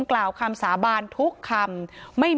การแก้เคล็ดบางอย่างแค่นั้นเอง